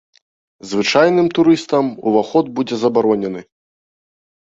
Звычайным турыстам уваход будзе забаронены.